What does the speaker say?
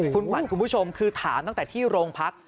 คุณขวัญคุณผู้ชมคือถามตั้งแต่ที่โรงพัก